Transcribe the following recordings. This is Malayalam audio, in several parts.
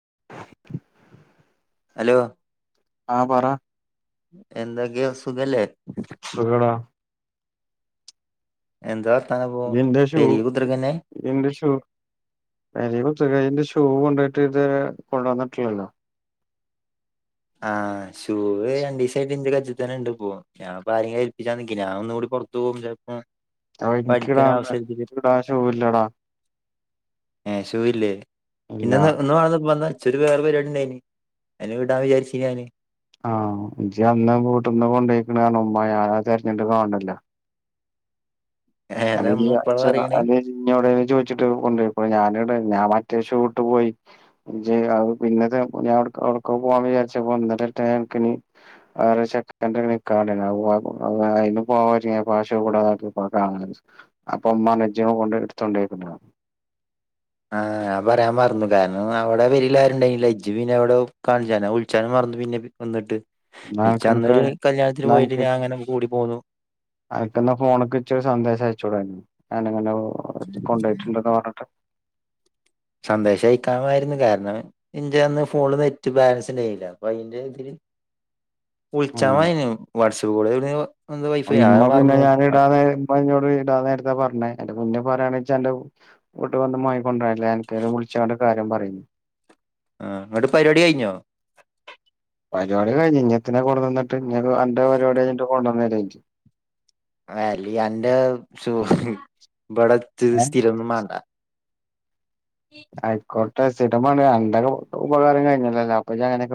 [inaudible] ഹലോ. ആഹ പറ. എന്തൊക്കെയ സുഖല്ലേ. സുഗടാ. എന്താ വർത്താനപ്പോ എന്റ ഷൂ പെരീല് കുത്തിർക്കന്നെ എന്റെ ഷൂ [unintelligible] ഷൂ കൊണ്ടോയിട്ട് ഇതരെ കൊണ്ടുവന്നിട്ടില്ലല്ലോ. ആഹ് ഷൂവ് രണ്ടീസായിട്ട് ഇന്റെ കയ്യീത്തന്നെ ഇണ്ടിപ്പോ ഞാൻ അപ്പ ആരെങ്കിലും ഏൽപ്പിച്ചാൻ നിക്കാ ഞാനൊന്നു കൂടി പൊറത്ത്പോകും ചെലപ്പാ അതെനിക്കിടാൻ എനിക്കിടാൻ ഷൂവില്ലടാ ഏ ഷൂവ് ഇല്ലേ ഇല്ല ഇന്ന ഒന്ന് വന്ന് ഇച്ചൊരു വേറെ പരിപാടിുണ്ടായിന് അ വിടാ വിചാരിച്ച ഞാന് ആ ഇചി അന്ന് വീട്ടന്ന് കൊണ്ടോയിക്കണ ക ഉമ്മ ഞാനാ തിരഞ്ഞിട്ട് കാണണില്ല ഏഹ് അ അതെന്താ ഇമ്മ ഇപ്പളാ അ പറയണേ ഇന്നോട് ചോദിച്ചിട്ട് കൊണ്ടൊ യപ്പോ ഞാനടെ ഞാൻ മറ്റേഷൂ ഇട്ട്പോയി പിന്നഞക്ക പോവാാൻ വിചാരിച്ചട്ട [unintelligible] [unintelligible] ആ പറയാൻ മറന്നു കാരണം അവിടെ വരിലാരുണ്ടായി ഇജ്ജ് പിന്നെ അവിടെ കാണിച്ചാലും വിളിച്ചാലും പിന്നെ വന്നിട്ട് ന്നാ ഈ അനക്കെനക്ക് ചന്നൊരു കല്യാണത്തിന് പോയിട്ട് ഞ അങ്ങനെ കൂടി പോന്നു അനക്ക്ന്ന ഫോണൊക്കെ ഇച്ച സന്ദേശം അയച്ചോടായിരുന്നു ഞാനങ്ങനെ കൊണ്ടോയിട്ടുണ്ടന്ന് പറഞ്ഞിട്ട് സന്ദേശം അയക്കാമായിരുന്നു കാരണം എന്റെ അന്ന് ഫോണ് നെറ്റ് ബാലൻസ് ഉണ്ടായില്ല അപ്പൊ അതിന്റെ ഇതില് ഉൾച്ചമായിന്നു മായി വാട്ടസപ്പ് കൂടെ എവിടെന്നോ അ ഇമ്മ പിന്നെ ഞാനീടാതെ ഇമ്മ ഇങ്ങോട്ട് ഇടാനേരത്ത പറഞ്ഞേ അതിന്റെ മുന്നേ പറയാണെങ്കിൽ ന്റെ വീട്ട് വന്ന മായി കൊണ്ടുവന്നില്ല എനിക്ക വിളിച്ചോണ്ട് കാര്യം പറയും ആ അങ്ങോട്ട് പരിപാടി കഴിഞ്ഞോ പരിപാടി കഴിഞ്ഞ് ഇന്നെ കൊണ്ടുന്നട്ട്ക്ക് എന്റെ പരിപാടി കഴഞ്ഞിട്ട് കൊണ്ടുവന്നു വാലി എന്റെ ഇവിടെ ഏ സ്ഥിരമൊന്നും വേണ്ട ആയിക്കോട്ടെ സ്ഥിരം എന്തൊക്കെ ഉപകാരം കഴിഞ്ഞല്ലോ അപ്പൊങ്ങനെ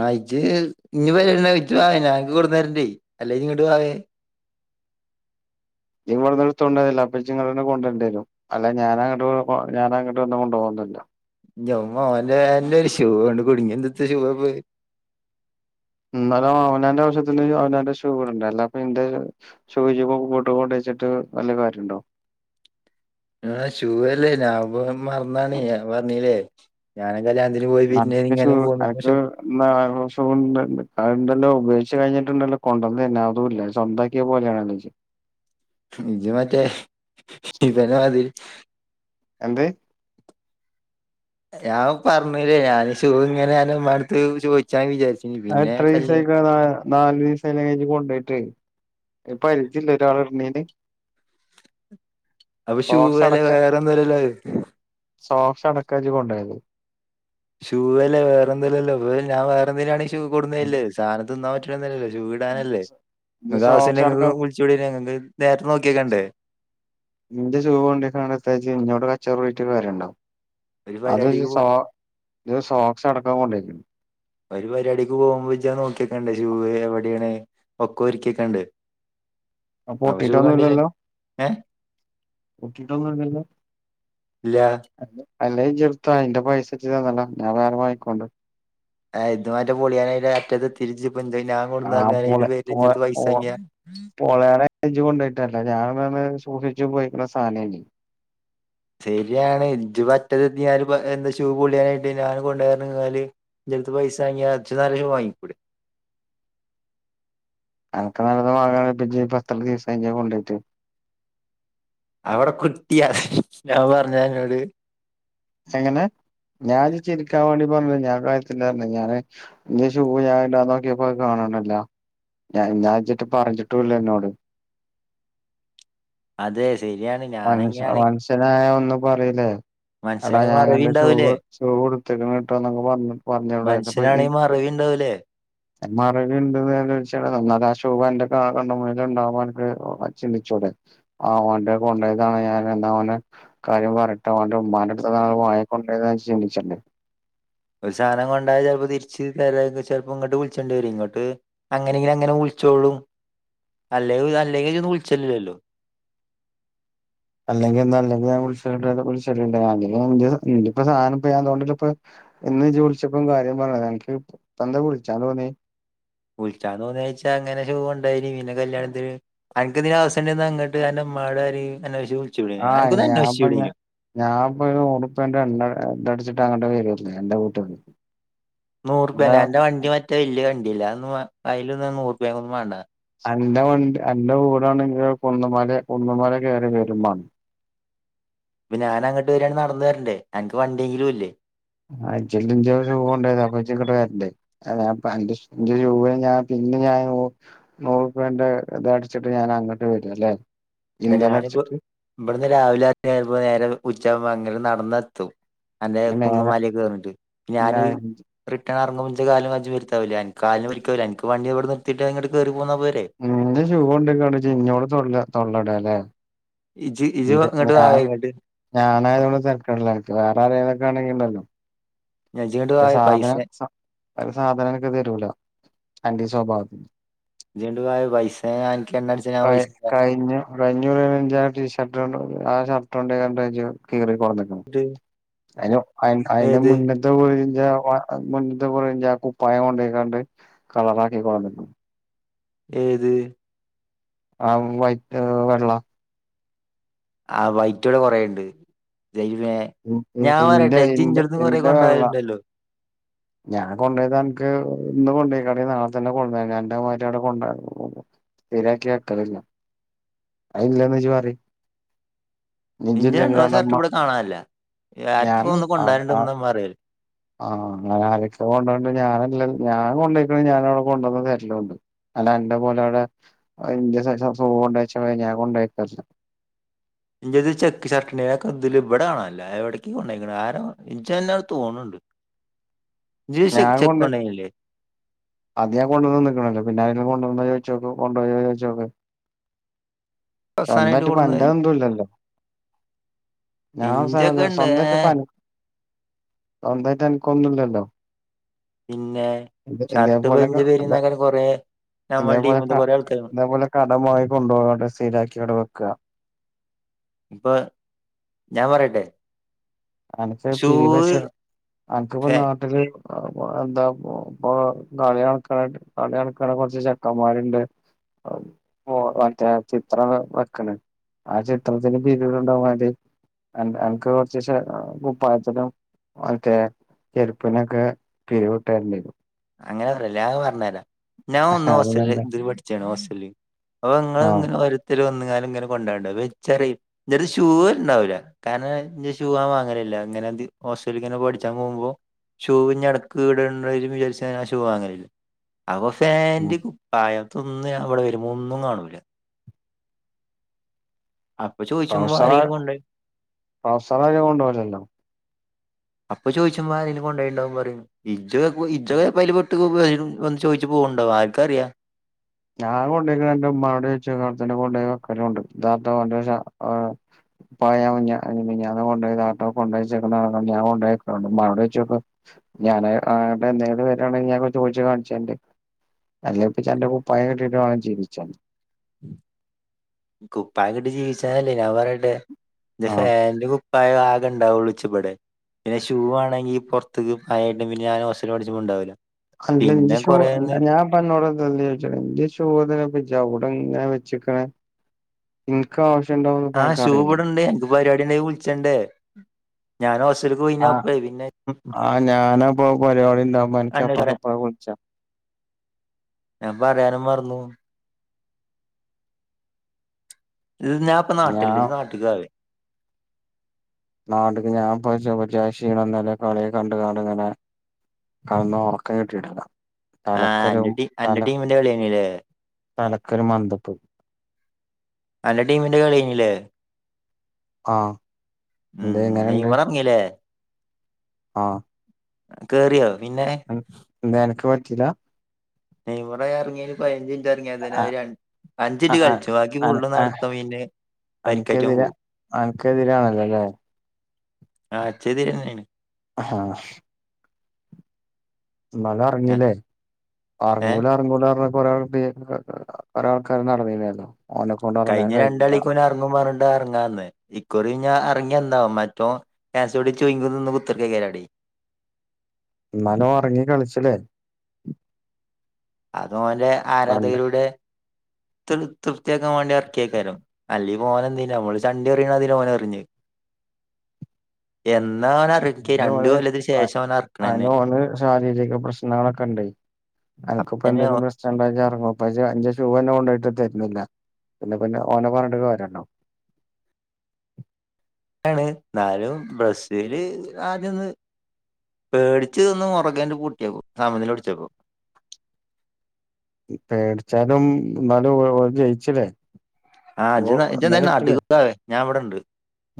ആ ഇജ്ജ് ഇനി വ [unintelligible] ഇവിന്നിടുത്തുണ്ടരുന്നില്ല അപ്പ നിങ്ങ കൊണ്ട വരും അല്ല ഞാന അങ്ങോട്ട് ഞാന അങ്ങോട്ട് വന്ന് കൊണ്ട പോകന്നു നല്ല എന്റ മ്മോ എന്റെ ഒരു ഷൂണ്ട് കുടുങ്ങിയ എന്തത്തെ ഷൂ പോയി എന്നന്നാലും അവനാന്റെ ആവശ്യത്തിന് അവനാന്റെഷൂ ഇടണ്ടേ അല്ലാത്ത എന്റെ ഷൂവ് ഷൂ കൂട്ടതി ന്നി ട്ട് നല്ല കാര്യംണ്ടോ ആ ഷൂവല്ലേ മറന്നാണ് പറഞ്ഞീല്ലേ ഞാനെക്കല്ലാന്ന് പോയി പോ ഇങ്ങനെ പോണ പക്ഷെ ഷൂണ്ടല്ലോ കണ്ടല്ലോ ഉപ ച കഴിഞ്ഞിട്ടുണ്ടല്ലോ കൊണ്ടുവന്നു തന്നെ അതുമല്ല സ്വന്താക്കിയ പോലെയണല്ലോജ ഇജ മറ്റേ ഇപ്പന്നെ മതിരി എന്ത് ഞാൻ പറഞ്ഞില്ലേ ഞാൻ ഷൂ ഇങ്ങനെ ആണ് ഉമ്മറത്തു ഷൂ വെച്ചതാന്ന് വിചാരിച്ചു എത്ര ദിവസായിക്ക നാല് ദിവസായി അത് കഴിഞ്ഞു കൊണ്ടോയിട്ട് ഇപ്പ അരിക്കില്ല ഒരാൾ ഇണീന് അപ്പൊ ഷൂ അല്ല വേറെന്തല്ല സോഫ അണക്കാജി കൊണ്ടായത് ഷൂ അല്ലേ വേറെ എന്തേലല്ലോ അപ്പ ഞാ വേറെന്തങ്കലാണ് ഷ് ഷൂ കൊട്ന്നെര്ലെ സാനം തിന്നാൻ പറ്റ്ണെല്ലല്ലോ ഷൂവ് ഇടാനല്ലെ ഇജ്ജ് ഇങ്ങകാവശ്യണ്ടെ സോക്സ് അടക്കം ഇങ്ങക്വിൾചൂടീനങ്ങക് നേര്ത്തെ നോക്കിയെക്കണ്ടെ ഇൻ്റെ ഷൂവൊണ്ടയ്കാണ്ടെത്താ ജ് ഇന്നോട് കച്ചറൂടീട് ട്ട് കാര്യണ്ടൊ ഒരു അതു ജ് പരിപാടിക്ക് പോ സോ ജ് സോക്സടക്കാ കൊണ്ടേയിക്ക്ണ്ടെ ഒരു പരിപാടിക്ക് പോകുമ്പോ ഇജാ നോക്കിയെക്കണ്ടെ ഷൂവ് എവിടേണ് ഒക്കൊര്ക്കിയെക്കണ്ടെ അത് പൊട്ടീട്ടൊന്നുല്ലല്ലോ ഏ പൊട്ടീട്ടൊന്നുല്ലല്ലൊ ഇല്ല അല്ലേ ജ് ഇട്ത്തോ അയിൻ്റെ പൈസച്ച് തന്നാളാ ഞാൻ വേറെ വാങ്ങിക്കോണ്ട് ആയ് ഇതുമറ്റെ പൊളിയാനായീൻ്ററ്റതെത്തീട്ട് ജ് ആ പൊളെ പൊള പൈസ പൊൾ വാങ്ങിയ പൊള്യാനായ ജ് കൊണ്ടയുട്ടെല്ലെ ഞാൻ സൂക്ഷിച്ചുപയോഗിക്ണ സാനേനി ശരിയാണ് ഇഞ്ജ് പറ്റതെത്തിങാണ്ട് എന്താ ഷൂ പൊളിയാനായിട്ട് ഞാന് കൊണ്ടോയാർഞ്ങ്ങാല് ഇൻ്റെട്ത്ത് പൈസാങ്ങിയാ ഇച്ചാ നല്ലെ വാങ്ങിക്കൂടെ അൻക്ക് നല്ലത് വാങ്ങാണെ ഇപ്പെത്രദീസായി ഇജത് കൊണ്ടോയീട്ട് അവിടെ കുട്ടിയാ ഞാൻ പറഞ്ഞോ അന്നോട് എങ്ങനെ ഞാൻ ജ് ചിരിക്കാവാണ്ടി പറഞ്ഞല്ല ഞാൻ കാര്യത്തിലാർഞെ ഞാന് ഇൻ്റെ ഷൂവ് ഞാനിടാനോക്കിയപ്പോ അത് കാണാ കാണാല്ല ഞാൻ ന്നാ ഇജ്ജെറ്റെ പറഞിട്ടൂല്ല ഇന്നോട് അതെ ശരിയാണ് മനുഷ്യ ഞാനെങ്ങനെയാണ് മനുഷ്യനായ ഒന്ന് പറീലേ എടാ മനുഷ്യനാണെങ്കിൽ മറവി ഞാനൻ്റെ ഉണ്ടാവൂലേ ഷൂവ് ഷൂവ്ട് ഇട്ത്ത്ക്ക്ണ്ട്ട്ടോ ന്നൊകെ പറഞ്ഞ് പറഞ്ഞൂടെ ത്താപ്പൊ മനുഷ്യനാണെങ്കിൽ ഇൻക്ക് മറവി ഉണ്ടാവൂലേ മറവിണ്ട് [unintelligible] ആഷൂവൻ്റെ കാ കണ്ണ്മുനില്ണ്ടാവുമ്പ അൻക് ചിന്തിച്ചൂടെ ആ ഓൻ്റെ കൊണ്ടെയതാണ് ഞാന് ന്നാ ഓന് കാര്യം പറ്യട്ടെ ഓൻ്റെ ഉമ്മാൻ്റെട്ത്താന്നാണ് വാങ്ങി കൊണ്ടോയത് ന്നാജ് ചിന്തിച്ചണ്ടെ ഒരു സാനം കൊണ്ടോയാ ചെലപ്പം തിരിച്ച് തരാ ചെൽപ്പം ഇങ്ങട്ട് വിൾച്ചണ്ടി വെരും ഇങ്ങട്ട് അങ്ങനെങ്കിലങ്ങനെ വിൾ വിൾച്ചോളും അല്ലെ അല്ലെങ്കിജൊന്ന് വിൾച്ചല് ഇല്ലല്ലോ അല്ലെങ്കി എന്താ അ ല്ലെങ്കിഞാൻ വിൾചല്ണ്ടലൊ വിൾചേല്ണ്ടേ അല്ലെങ്കി ഞാൻ ഇൻ്റെ ഇൻ്റെപം സാനപ്പം ഞാതോണ്ടല്ലെപ്പ ഇന്ന് ജ് വിൾച്ചപ്പം കാര്യപറ്ഞതാ അൻക്പന്തേ വിൾച്ചാതോന്നീ [inaudible] വിൾച്ചാ തോന്നീച്ചാ ഇങ്ങനെ ഷൂവ്ണ്ടായീനി പിന്നെ കല്ല്യാണത്തിന് അൻക്ക് ഇതിനാവുസ്യണ്ടെ ന്നാങ്ങട്ട് അൻ്റെ മ് മ്മാനോടാരെയും അന്വേഷിച്ച് വിൾ ആ ഞാൻപ്പഞ് ഞാൻപ്പം ഒര് നുറുപ്യൻ്റെ എണ്ണ തട്ച് ട്ടങ്ങട്ട് വെരല്ല അന്റെ വീട്ട്ക് നൂറുപ്യൻ്റെ അന്റെ വണ്ടി മറ്റേ വെല്ല്യ വണ്ടയല്ലെ അതൊന്നും വാ അയ്ലൊന്നും നൂറുപ്യാകൊന്നും വാണ്ടാ അൻ്റെ വണ്ടി അൻ്റെ വീടാണെങ്കിലോ കുന്നമല് കുന്നമല കേറി വെരുമാണം ഇപ്പം ഞാനങ്ങട്ട് വെരാണെ നടന്നെ രാണ്ടേ അൻക്ക് വണ്ടിയെങ്കിലുല്ലേ ആ ജല്ലെ ഇൻ്റെ ഷൂവൊണ്ടോയത് അപ്പ ജ് ഇങ്ങട്ട് വെര്ണ്ടെ അല്ലാ ഞാപം അൻ്റിഷ് ഇൻ്റെ ഷൂവ്ന് ഞാൻ പിന് പിന്നെ ഞാന് നൂറുപ്യന്റെ ഇത അട്ച്ചിട്ട് ഞാനങ്ങട്ട് വെരല്ലേ ഇപ്പം ഞാനിപ്പോ ഇവട്ന്ന് രാവിലർങ്ങിയാ ചെൽപം നേരെ ഉച്ചാവുമ്പ അങ്ങട്ട് നടന്നാത്തും അന്റെ ഇനി കുന്നുമാലിയൊക്കെ കേറിട്ട ഞാൻ മേലെ റിട്ടേൺ എർങ്ങുമ്പ ഇൻ്റെ കാലും കജ്ജും വെര്ത്താവൂല്ലേ അൻ കാല്ന് പര്കാവൂല അൻക് വണ്ടിവടെ നിർത്തിട്ടാ ഇങ്ങട്ട് കേറി പോന്നാ പോരെ ഇൻ്റെ ഷൂവോണ്ടോയിക്കാണ്ട് ഇജ് ഇന്നോട് തൊള്ള തൊള്ളടാലെ ഇജ്ജ് ഇജ്ജ് ഇൻ്റെ ഇങ്ങട്ട് ഞാൻ വായെ ഇങ്ങട്ട് ഞാനിയതോണ്ട് തര്കടില്ലൻക് വേറാരേലൊക്കാണെങ്കിണ്ടല്ലൊ ഇജ്ജ് ഇങ്ങട്ട് ഒരു വായെ സാധന പൈസ സാ ഒരു സാധനം അൻക്ക് തെരൂല അൻ്റീ സ്വഭാവത്തിന് ഇജ്ജ് ഇങ്ങട്ട് വായെ പൈസ ഞാൻ അനക്ക് എണ്ണ അടിച്ചാൻ ഞാൻ കയ് പൈസ തരാ കഴിഞ്ഞ കഴിഞ്ഞുറിയെന്നെ ഇൻ്റാട്ടീഷ് ഷർട്ട് ആ ഷർട്ടൊണ്ടോയികാണ്ട ജ് കീറി കൊട്ന്ന്ക്ണെ അയിൻ്റെ അയിൻ്റെ ഏത് മുന്നത് കുറിൻ്റേ മുന്നത്തെ കുറി ഇൻ്റാകുപ്പായം കൊണ്ടെയ്ക്കാണ്ട് കളറാക്കി കൊട്ന്ന്ക്ണ് ഏത് ആ വൈറ്റ് ഏ വെള്ള ആ വൈററ്റ് ഇടെ കൊറേണ്ട് ജൈവ ഇ- ഇ- ഞാൻ ഇന്റെ പറയട്ടെ ഇന്റെ ജിഞ്ചിടന്ന് കൊറേക്ക ഇന്റെ വെള്ള കൊണ്ടുണ്ടല്ലോ ഞാൻ കൊണ്ട് പോയത് എനിക്ക് ഇന്ന് കൊണ്ടോ യിക്കാണ്ട് നാളെ തന്നെ കൊണ്ടു അന്റെ മാരി അവിടെ കൊണ്ട ശെരി ആക്കി വെക്കലില്ല അയില്ലന്ന് ഇജ്ജ് പറി ഇജ്ജെ രണ്ടു ദിവസ ഷർട്ട് ഇവിടെ കാണാനല്ല ഞാൻ ആർക്കിപ്പോ ഒന്ന് ആഹ് കൊണ്ടുവരുണ്ടന്ന് ആഹ് നമ്മ അറിയല്ലല് ആഹ് അഞ ആരൊക്കെ കൊണ്ടണ്ട് ഞാനല്ല ഞാൻ കൊണ്ടയിക്കണ ഞാൻ അവിടെ കൊണ്ടുവന്നത് തരലുംണ്ട് അല്ല എന്റെ പോലെ അവിടെ സുഖം കൊണ്ടച്ച ഞാൻ കൊണ്ട [inaudible] ഇന്റത് ചെക്ക് ഷർട്ട് ണനൊക്കെ ഇതില് ഇവിടെ കാണല്ല എവിടേക്ക് കൊണ്ട ആര എനി തോന്നുന്നുണ്ട് [inaudible] ചെ ഞാൻ ചെക്ക് കൊണ്ട് കൊണ്ടോയില്ലേ അത് ഞാൻ കൊണ്ടുവന്നന്ന് നിക്കണല്ലോ പിന്നെ ആരെും കൊണ്ടുവന്ന ചോ [unintelligible] അവസാനായിട്ട് സ്വന്തായിട്ടിപ്പ കൊണ്ടന്നത് അന്റെ എന്തും ഇല്ലല്ലോ ഞാ ഇഞ്ചൊക്കെ അവസാനം ഉണ്ട് ഏ സ്വന്തായിട്ടിപ്പ അന സ്വന്തായിട്ട് എനക്കൊന്നും ഇല്ലല്ലോ പിന്നെ ഷർട്ട് പഞ്ച് [unintelligible] കൊറേ നമ്മളെ ഇതേപോലെക്ക ടീമിത്തെ കൊറേ ആൾക്കാര് ഇതേപോലെ കടം വാങ്ങി കൊണ്ടുപോണോട്ട സ്ഥിരാ ഇപ്പൊ ഞാൻ പറയട്ടെ എനക്ക് പിരിവശ ഷൂ എന‌ക്കിപ്പ നാട്ടില് അപ്പ എന്താ പോപ്പ കളി നടക്കണ കളി നടക്കണ കൊറച്ച് ചെക്കന്മാരിണ്ട്. [unintelligible] മറ്റേ ചിത്രം വെ വെക്കണ് ആ ചിത്രത്തിന് പിരിവിണ്ടാകൻ വേണ്ടി എൻ എനിക്ക് കൊറച്ചേശേ അഹ് കുപ്പായത്തിനും മറ്റേ ചെരുപ്പിനൊക്കെ പിരിവ് കിട്ടാനിണ്ടേ അങ്ങനെ പറയല്ലേ അത് പറഞ്ഞ് തരാ ഞാൻ വന്ന് ഹോസ്റ്റലില് അതുകൊണ്ട് ഇതില് പഠിച്ചാണ് ഹോസ്റ്റലില്. അപ്പൊ നിങ്ങള് ആ ഇങ്ങനെ ഓരോര്ത്തര് വന്ന് ലിങ്ങനെ കൊണ്ടണ്ടാവും വെച്ചറയും ഇന്റടുത്ത് ഷൂ ഇണ്ടാവൂല. കാരണം ഇന്റെ ഷൂ ഞാൻ വാങ്ങലില്ല ഇങ്ങനെ [unintelligible] ഓസ്ട്രേലിങ്ങനെ പഠിച്ചാൻ പോകുമ്പോ ഷൂ ഇഞ്ഞെടക്ക് ഇടെണ്ട വരുംന്ന് വിചാരി ച്ചാങ്ങനെ ഷൂ വാങ്ങലില്ല അപ്പ ഫാന്റ് കുപ്പായം ഇതൊന്നും ഞാൻ അവിടെ വരുമ്പോ ഒന്നും കാണൂല്ല. അപ്പ ചോയിച്ചുമ്പ ട്രൗസർ ആരെങ്കിലും കൊണ്ടോ ട്രൗസർ ആരും കൊണ്ടുപോവില്ലല്ലോ അപ്പ ചോദിച്ചുമ്പ ആരേലും കൊണ്ടോയ്ട്ടിണ്ടാ പറയും ഇത് ഇത് അതില് പെട്ട് [unintelligible] ചോദിച്ച ജ്ജ് പോവ്ണ്ടോ? ആര്ക്കാ അറിയാ ഞാൻ കൊണ്ടെയ്ക്ക്ണോ അന്റെ ഇമ്മാനോട് ചോയിച്ചോക്കാ അയുടെ തെന്നെ കൊണ്ടെയ് വെക്കെലും ഇണ്ട് [unintelligible] ഓന്റെ ഷർ എഹ് പ്പായം ഞാ മിഞ്ഞാ മിഞ്ഞാന്ന് കൊണ്ടോയെതാട്ടോ കൊണ്ടെച്ച്ക്ക്ണെതാണ് പർണ് ഞാ കൊണ്ടെക്കെലും ഇണ്ട് ഇമ്മാനോട് ചോയിച്ചോക്ക് ഞാന് അങ്ങെട്ട് എന്തേങ്കിലും വെരാണെങ്കിൽ ഞാൻ ചോയിച്ച് കാൺച്ചെര്ണ്ട് അല്ലെയ്പ്പ ഇച്ച് അന്റെ കു പ്പായം കിട്ടിട്ട് വാണം ജീവിച്ചാന് കുപ്പായം കിട്ടി ജീവിച്ചാന് അല്ലെയ് ഞാൻ പറയെട്ടെ ഇന്റെ ആഹ് ഫാന്റും കു പ്പായം ആകെ ഇണ്ടാകൊള്ളു ഇച്ച് ഇബെടെ പിന്നെ ഷൂ ആണെങ്കി പൊർത്ത്ക്ക് പഴെ ആയിട്ട് ഇണ്ടെങ്കി പിന്നെ ഞാൻ ഹോസ്റ്റെൽ പഠിച്ച്മ്പം ഇണ്ടാവൂലാ കണ്ട്ലെ ഇന്റെ ഷൂവ് ഞാപ്പ അന്നോട് എന്താ അല്ലെങ്കി ചോയിച്ചെൽ ഇന്റെ ഷൂവ് എന്തിനാപ്പം ഇ ജജ് അയുടെ ഇങ്ങെനെ വെച്ച്ക്ക്ണ് ഇൻക്ക്‌ ആവു ആഹ് ഷൂ ഇവെടെ ഇണ്ടെയ് അൻക്ക് പരിപാടി ഇണ്ടെങ്കി വുൾച്ചെണ്ടെ ഞാൻ ഹോ ആഹ് ആഹ് ഞാന് അപ്പം പരിപാടി ഇണ്ടാവുമ്പം അൻക്ക് അന്നോട് അപ്പാക്കെ പറയാൻ അപ്പാക്കെ വുൾച്ചാ ഞാൻ പറയാനും മർന്നു തിൽ ഞാ ഇപ്പം നാട്ടിൽ ഇണ്ട് ഞാൻ ഇജ്ജ് നാട്ട്ക്ക്‌ വാവേയ് നാട്ടക്ക് ഞാ ഇപ്പം ഇച്ച് ഒര്ജായി ക്ഷീണം ഇന്നെലെ കളിയൊക്കെ കണ്ട്കാണ്ട് ഇങ്ങെനെ കട്ന്ന് ഒർക്കം കിട്ടിട്ട് ഇല്ല ആഹ് അന്റെ ടീ അന്റെ ടീമിന്റെ കളിയെനിലെ തലക്കൊര് മന്തെപ്പ് അന്റെ ടീമിന്റെ കളിയെനി ലെ ആഹ് ഉം എന്തെ എങ്ങനെണ്ട് നെയ്മെർ അർങ്ങി ലെ ആഹ് കേറിയോ? പിന്നെ ന് എന്തെ അൻക്ക് പറ്റിലാ നെയ്മ്മെറ് അറങ്ങെയിന് പയിനെഞ്ച്ന് റങ്ങിയതിനെ ഒര് ആഹ് രന് അഞ്ചിറ്റ് ആഹ് കളിച്ചു ബാക്കി അന ഫുള്ള് ആഹ് നടത്തം പിന്നെ പരിക്കേറ്റോൻ അനക്കെതിരെ പോവും. അനക്കെതിരാണല്ലോല്ലേ ആ ചെരിന്നെയാ. ആഹ് എന്നാലും ഞാൻ ഇറങ്ങീല്ലേ ഏഹ് അറങ്ങൂല അറങ്ങൂല എന്ന് ഒരാൾ [inaudible] ഒരാൾക്കാരു നടന്നേനല്ലോ. കഴിഞ്ഞ രണ്ടാളിക്ക് നെ ഇറങ്ങും പറഞ്ഞണ്ട ഇറങ്ങാന്ന് ഇക്കുറി ഞ ഇറങ്ങ്യാ ന്ന് ന്ത മറ്റോ [unintelligible] എന്നാലും ഉറങ്ങി കളിച്ചിലേ- - അത ഓന്റെ ആരാധകയിലൂടെ ത്ത് തൃപ്യാക്കാൻ വേണ്ടി ഇറക്കിയക്കാരും അല്ലീ ഓനെന്തിനാ ഓന് ചണ്ടി എറിയണ അതി ഓനെറിഞ്ഞ്. യെന്ത് എന്റെ മോന് അ അ എന്റെ എറക്കണന്നെ മോന് ശാരീരിക പ്രശ്നങ്ങളൊക്കെ ഇണ്ട് അനക്കിപ്പോ അപ്പന്നെ എന്തെലും പ്രശ്നം ഇണ്ടായിഴിഞ്ഞാറെങ്ങോ [unintelligible] കൊണ്ടട്ട് തരുന്നില്ല പിന്നെ പിന്നെ ഓന പറഞ്ഞിട്ട കാര്യണ്ടോ ണ് എന്നാലും ബ്രസീല് ആദ്യന്ന് പേടിച്ച് ത് ഒന്ന് മുറകേന്റ് പൂട്ടിയപ്പോ സാമനില പിടിച്ചപ്പോ പേടിച്ചാലും എന്നാലും ഓ ഓൾ ജയിച്ചില്ലേ. ആഹ് ജ് ഗോൾ ജെ എന്തായാലും നാട്ടി [unintelligible] ഞാൻവിടെണ്ട്.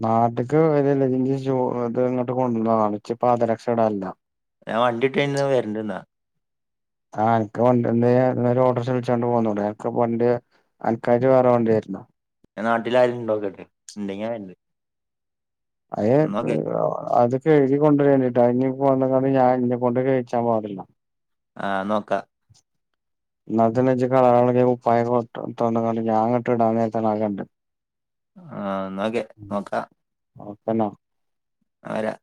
നാട്ടക്ക് വരു ഇല്ലെങ്കി ഷൂ ഇത് ഇങ്ങോട്ട് കൊണ്ടുവ [unintelligible] പാതരക്ഷ ഇടാറില്ല. ഞാൻ വണ്ടിട്ട്ന്ന് വരണ്ടിന്നാ ആ എനിക്ക് വണ്ടിണ്ടേ അവിടുന്നൊരു ഓട്ടോറിക്ഷ വിളിച്ചോണ്ട് പോന്നുടെ എനിക്ക് വണ്ടിയേ ആൻകായിട്ട് വേറെ വണ്ടിയാരുന്നോ. ഞാൻ നാട്ടിലാരു ഇണ്ടാവുല്ലല്ലോ ഇണ്ടങ്ങനണ്ട്. അതെ ക്ക് അ അത്ക്കെ എഴുതി കൊണ്ടരേണ്ടിട്ടാഞ് വന്നണ്ട് ഞാൻ ഇനി കൊണ്ട് കഴിച്ചാൻ പാടില്ല. ആ നോക്കാ ഇന്നാൾ തന്നെ ഇജി [unintelligible] കുപ്പായം [unintelligible] ഇവിടെ ഇട്ടാണ്ട് ഞാൻ ന്നിട്ട് ഇടനേരത്തെ ഞാൻ കണ്ടേ ആ ന്നോക്കെ നോക്കാ നോക്കണോ ആരാ